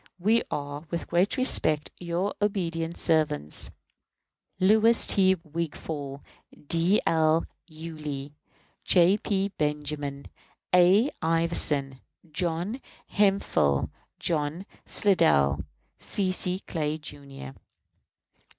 We are, with great respect, your obedient servants, LOUIS T. WIGFALL, D. L. YULEE, J. P. BENJAMIN, A. IVERSON, JOHN HEMPHILL, JOHN SLIDELL, C. C. CLAY, Jr.